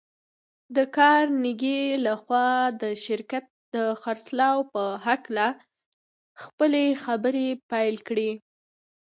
د کارنګي لهخوا د شرکت د خرڅلاو په هکله خپلې خبرې پيل کړې.